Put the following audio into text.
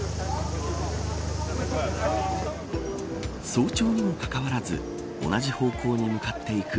早朝にもかかわらず同じ方向に向かっていく